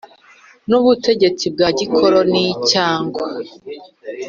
nubutegetsi bwa gikoloni cyangwa